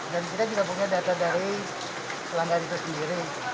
dan kita juga punya data dari pelanggar itu sendiri